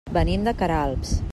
Venim de Queralbs.